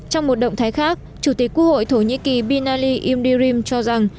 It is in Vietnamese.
trong một động thái khác chủ tịch quốc hội thổ nhĩ kỳ binali imdirim cho rằng